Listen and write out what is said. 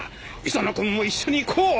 磯野君も一緒に行こう！